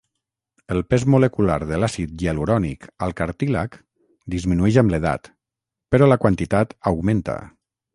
El pes molecular de l'àcid hialurònic al cartílag disminueix amb l'edat, però la quantitat augmenta.